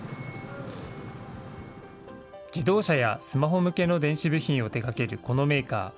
自動車やスマホ向けの電子部品を手がけるこのメーカー。